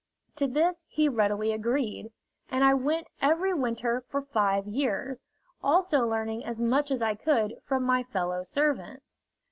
To this he readily agreed, and I went every winter for five years, also learning as much as I could from my fellow servants.